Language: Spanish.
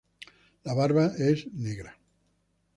La barba es negra.